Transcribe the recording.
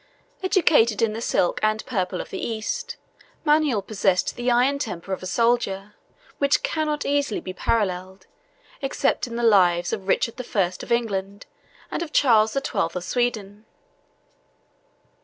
Educated in the silk and purple of the East, Manuel possessed the iron temper of a soldier, which cannot easily be paralleled, except in the lives of Richard the First of England, and of Charles the Twelfth of Sweden.